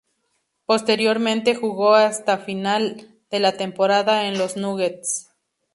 Posteriormente jugó hasta final de la temporada en los Nuggets.